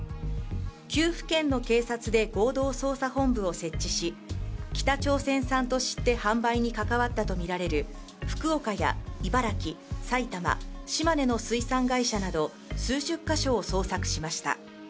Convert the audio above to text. ９府県の警察で合同捜査本部を設置し北朝鮮産と知って販売に関わったとみられる福岡や茨城、埼玉、島根の水産会社など数十か所を捜索しました。